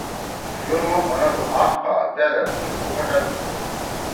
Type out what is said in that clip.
شُورمُخ بنَدُو: ”آقّا! تأ دا مھی اُو خٹا کی“۔